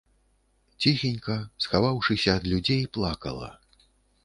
Ціхенька, схаваўшыся ад людзей, плакала.